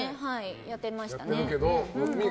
やってましたね。